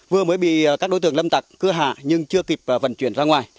vừa mới bị các đối tượng lâm tặc cưa hạ nhưng chưa kịp vận chuyển ra ngoài